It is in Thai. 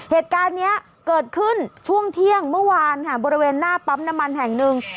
เหตุการณ์นี้เกิดขึ้นช่วงเที่ยงเมื่อวานค่ะบริเวณหน้าปั๊มน้ำมันแห่งหนึ่ง